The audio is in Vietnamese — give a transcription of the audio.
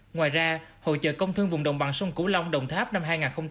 ngoài ra hỗ trợ công thương vùng đồng bằng sông cửu long đồng tháp năm hai nghìn hai mươi bốn